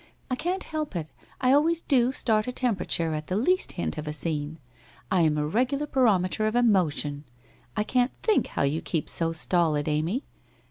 I can't help it, I always do start a temperature at the least hint of a scene. I am a regular barometer of emotion. I can't think how you keep so stolid, Amy?